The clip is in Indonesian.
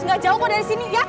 nggak jauh kok dari sini ya